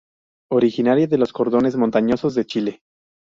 Originaria de los cordones montañosos de Chile.